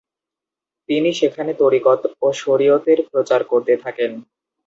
তিনি সেখানে তরিকত ও শরীয়তের প্রচার করতে থাকেন।